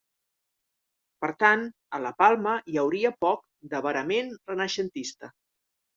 Per tant a La Palma hi hauria poc de verament renaixentista.